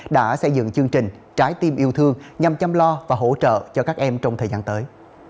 đã xây dựng chương trình trái tim yêu thương nhằm chăm lo và hỗ trợ cho các em trong thời gian tới